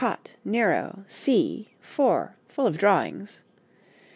Cott., Nero, C. iv. Full of drawings.